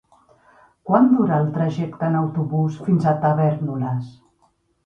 Quant dura el trajecte en autobús fins a Tavèrnoles?